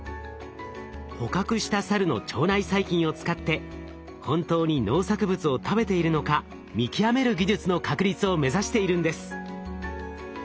捕獲したサルの腸内細菌を使って本当に農作物を食べているのか見極める技術の確立を目指しているんです。